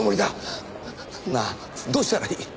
なあどうしたらいい？